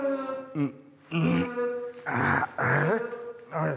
うん？